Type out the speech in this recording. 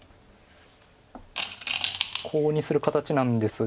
コウにする形なんですが。